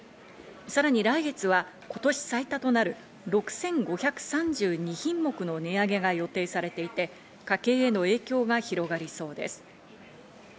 さらに来月は今年最多となる６５３２品目の値上げが予定されていて、家計への影響が広がりそうです。